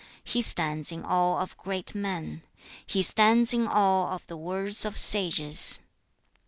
He stands in awe of great men. He stands in awe of the words of sages.